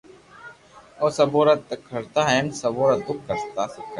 او سبو را دک ھرتا ھين سبو را سک ڪرتا